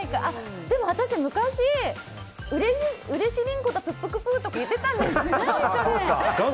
でも私、昔うれしりんこだぷっくぷ！とか言ってたんですよ。